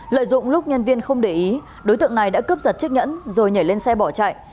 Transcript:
lợi dụng lúc nhân viên không để ý đối tượng này đã cướp giật chiếc nhẫn rồi nhảy lên xe bỏ chạy